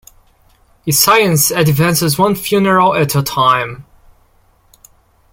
Science advances one funeral at a time.